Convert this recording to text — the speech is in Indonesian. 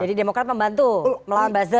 jadi demokrat yang mendukung anies itu